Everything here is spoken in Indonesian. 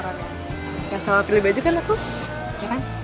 gak salah pilih baju kan aku